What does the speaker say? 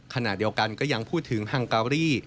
ขณะเดียวกันก็ยังพูดถึงฮังการี